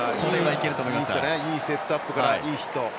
いいセットアップからいいヒット。